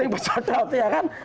ting pecotot ya kan